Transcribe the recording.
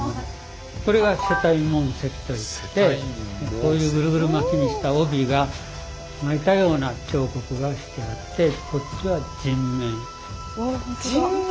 これが旋帯文石といってこういうグルグル巻きにした帯が巻いたような彫刻がしてあってこっちは人面。